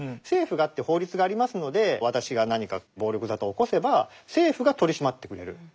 政府があって法律がありますので私が何か暴力沙汰を起こせば政府が取り締まってくれる。